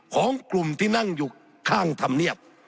ของกลุ่มที่นั่งอยู่ข้างธรรมเนียบ